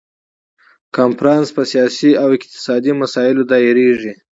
کنفرانس په سیاسي او اقتصادي مسایلو دایریږي.